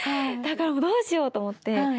だからもうどうしようと思って。